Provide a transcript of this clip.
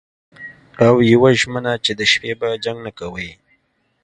او یوه ژمنه چې د شپې به جنګ نه کوئ